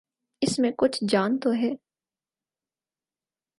اس میں کچھ جان تو ہے۔